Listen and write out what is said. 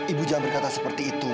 ibu jangan berkata seperti itu